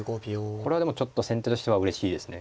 これはでもちょっと先手としてはうれしいですね。